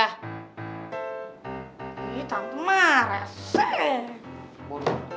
ih tante mah resah